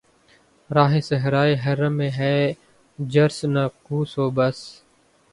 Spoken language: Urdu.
راہِ صحرائے حرم میں ہے جرس‘ ناقوس و بس